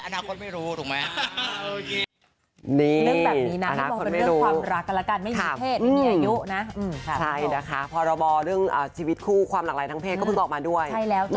อนาคตไม่รู้ถูกไหม